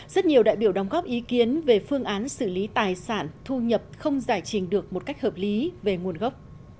rất nhiều đại biểu đóng góp ý kiến về phương án xử lý tài sản thu nhập không giải trình được một cách hợp lý về nguồn gốc